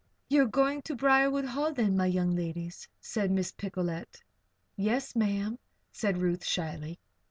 "You are going to Briarwood Hall, then, my young ladies?" said Miss Picolet. "Yes, Ma'am," said Ruth, shyly.